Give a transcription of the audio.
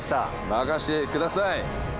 任してください